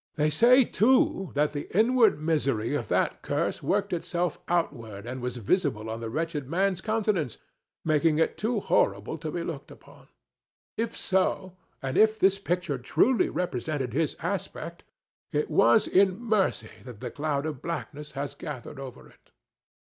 They say, too, that the inward misery of that curse worked itself outward and was visible on the wretched man's countenance, making it too horrible to be looked upon. If so, and if this picture truly represented his aspect, it was in mercy that the cloud of blackness has gathered over it."